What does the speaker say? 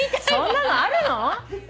そんなのあるの？